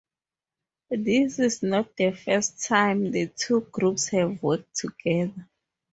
This is not the first time the two groups have worked together.